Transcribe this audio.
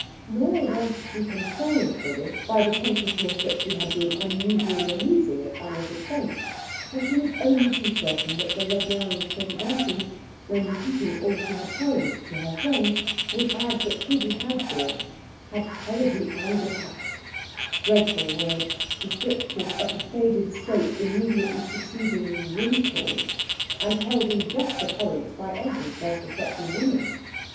Nor was she consoled for this by the consciousness that she had been unusually amusing at Anna's expense; for she was only too certain that the Regierungspräsidentin, when repeating all she had told her to her friends, would add that Trudi Hasdorf had terribly eingepackt dreadful word, descriptive of the faded state immediately preceding wrinkles, and held in just abhorrence by every self respecting woman.